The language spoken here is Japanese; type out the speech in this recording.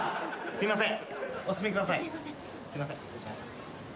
すいません